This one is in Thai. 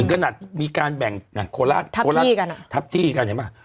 ถึงขนาดมีการแบ่งหนักโคลาสทับที่กันทับที่กันเห็นไหม